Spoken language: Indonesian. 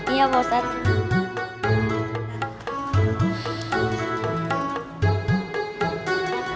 iya pak ustadz